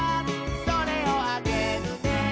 「それをあげるね」